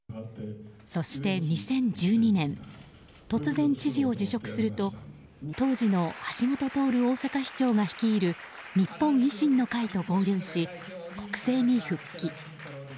そして２０１２年突然、知事を辞職すると当時の橋下徹大阪市長が率いる日本維新の会と合流し国政に復帰。